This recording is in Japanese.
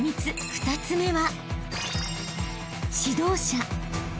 ２つ目は］